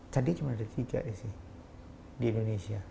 tadi cuma ada tiga ya sih di indonesia